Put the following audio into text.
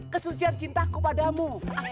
kesucian cintaku padamu